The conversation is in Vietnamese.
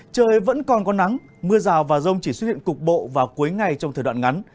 trời vẫn còn có nắng mưa rào và rông chỉ xuất hiện cục bộ vào cuối ngày trong thời đoạn ngắn